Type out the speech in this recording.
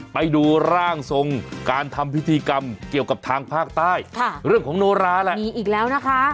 ไปดูร่างทรงการทำพิธีกรรมเกี่ยวกับทางภาคใต้ค่ะเรื่องของโนราแหละมีอีกแล้วนะคะ